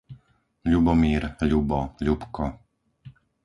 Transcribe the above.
Ľubomír, Ľubo, Ľubko